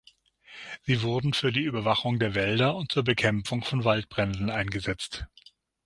Sie wurden für die Überwachung der Wälder und zur Bekämpfung von Waldbränden eingesetzt.